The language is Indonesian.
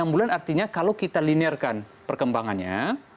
enam bulan artinya kalau kita linear kan perkembangannya